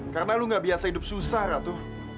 karena lo gak biasa hidup susah ratu